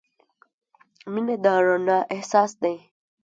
• مینه د رڼا احساس دی.